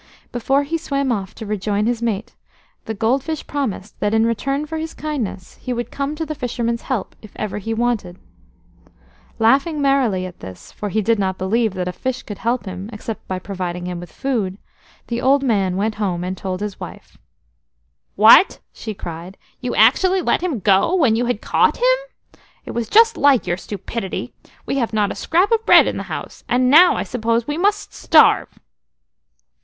Before he swam off to rejoin his mate, the gold fish promised that in return for his kindness he would come to the fisherman's help if ever he wanted him. Laughing merrily at this, for he did not believe that a fish could help him except by providing him with food, the old man went home and told his wife. "What!" she cried, "you actually let him go when you had caught him? It was just like your stupidity. We have not a scrap of bread in the house, and now, I suppose, we must starve!"